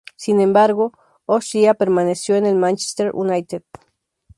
Sin embargo, O´Shea permaneció en el Manchester United.